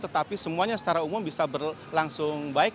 tetapi semuanya secara umum bisa berlangsung baik